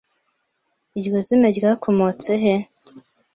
iryo zina ryakomotse he